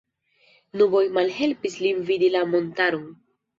Nuboj malhelpis lin vidi la montaron.